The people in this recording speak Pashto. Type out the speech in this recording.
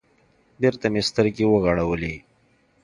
بېرته مې سترگې وغړولې.